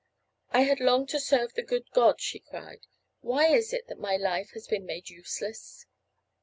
"I had longed to serve the good God," she cried. "Why is it that my life has been made useless!"